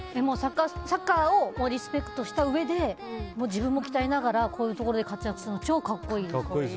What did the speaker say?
サッカーをリスペクトしたうえで自分も鍛えながらこういうところで活躍するの超格好いいです。